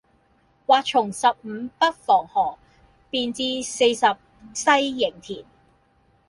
或從十五北防河，便至四十西營田。